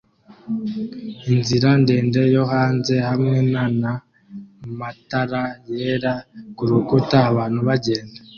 Inzira ndende yo hanze hamwe nana matara yera kurukuta abantu bagenda